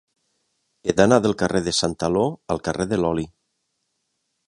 He d'anar del carrer de Santaló al carrer de l'Oli.